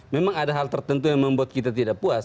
memang ada hal tertentu yang membuat kita tidak puas